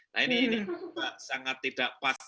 nah ini sangat tidak pas